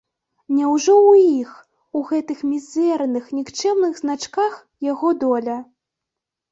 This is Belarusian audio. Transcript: Няўжо ў іх, у гэтых мізэрных, нікчэмных значках, яго доля?